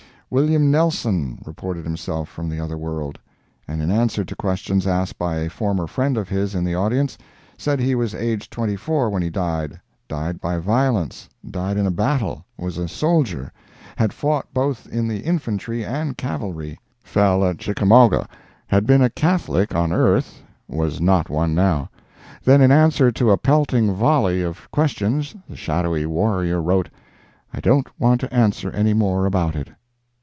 "William Nelson" reported himself from the other world, and in answer to questions asked by a former friend of his in the audience, said he was aged 24 when he died; died by violence; died in a battle; was a soldier; had fought both in the infantry and cavalry; fell at Chickamauga; had been a Catholic on earth—was not one now. Then in answer to a pelting volley of questions, the shadowy warrior wrote: "I don't want to answer any more about it."